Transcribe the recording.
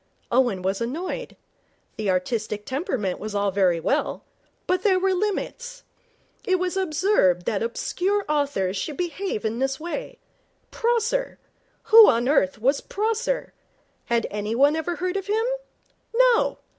Owen was annoyed. The artistic temperament was all very well, but there were limits. It was absurd that obscure authors should behave in this way. Prosser! Who on earth was Prosser? Had anyone ever heard of him? No!